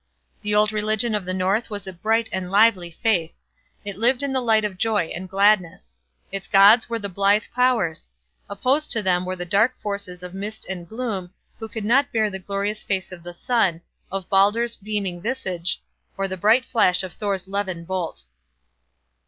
The old religion of the North was a bright and lively faith; it lived in the light of joy and gladness; its gods were the "blithe powers"; opposed to them were the dark powers of mist and gloom, who could not bear the glorious face of the Sun, of Baldr's beaming visage, or the bright flash of Thor's levin bolt.